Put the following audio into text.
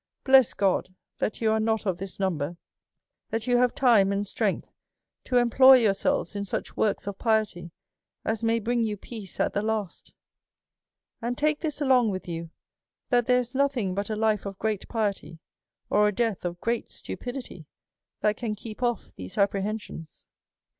bless God that you are not of this number, that you have time and strength to em ploy yourselves in such works of piety as may bring you peace at the last. " And take this along with you, that there is no \ thing but a life of great piety, or a death of great stu fi pidity, that can keep off these apprehensions.